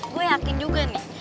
gue yakin juga nih